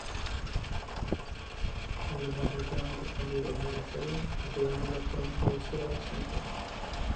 El lugar, ligeramente expandido desde la feria, recibe el nombre actualmente de Seattle Center.